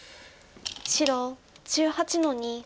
白１８の二ツギ。